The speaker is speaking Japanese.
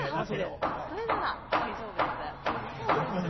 それなら大丈夫ですね。